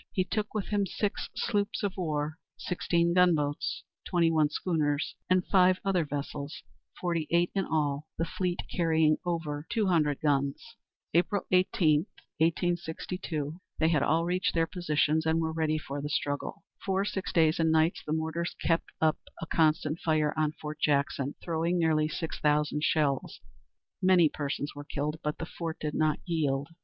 He took with him six sloops of war, sixteen gunboats, twenty one schooners, and five other vessels, forty eight in all, the fleet carrying over two hundred guns. April 18, 1862, they had all reached their positions and were ready for the struggle. For six days and nights the mortars kept up a constant fire on Fort Jackson, throwing nearly six thousand shells. Many persons were killed, but the fort did not yield.